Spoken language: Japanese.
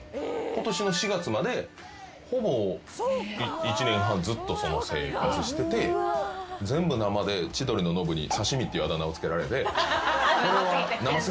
今年の４月までほぼ１年半ずっとその生活してて全部生で千鳥のノブに。っていうあだ名を付けられて。